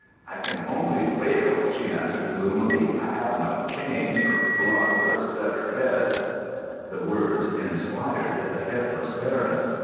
"I can only wail," she answered gloomily; "I have no chains, or blood, or severed head——" The words inspired the headless Baron.